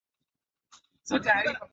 kutokana na sababu ya kuhama hama